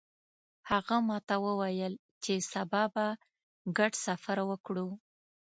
هغه ماته وویل چې سبا به ګډ سفر وکړو